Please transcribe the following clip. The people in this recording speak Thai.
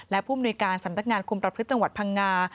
และผู้มนุยการสำนักงานคุมประพฤติจังหวัดพังงา